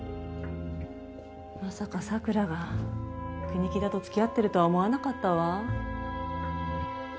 まさか桜が国木田と付き合ってるとは思わなかったわ。